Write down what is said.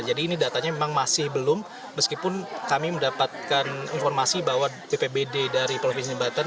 jadi ini datanya memang masih belum meskipun kami mendapatkan informasi bahwa ppbd dari provinsi banten